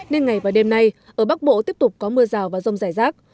nên ngày và đêm nay ở bắc bộ tiếp tục có mưa rào và rông rải rác